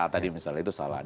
tadi misalnya itu salah